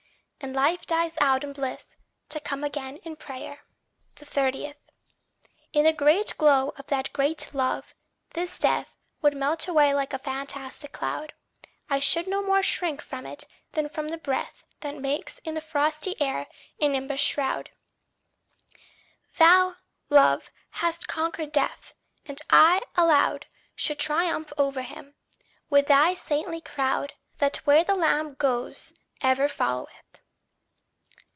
And life dies out in bliss, to come again in prayer. 30. In the great glow of that great love, this death Would melt away like a fantastic cloud; I should no more shrink from it than from the breath That makes in the frosty air a nimbus shroud; Thou, Love, hast conquered death, and I aloud Should triumph over him, with thy saintly crowd, That where the Lamb goes ever followeth.